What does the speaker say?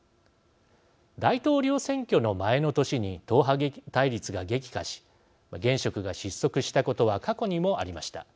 大統領選挙の前の年に党派対立が激化し現職が失速したことは過去にもありました。